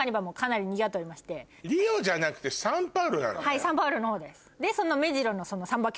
はいサンパウロの方です。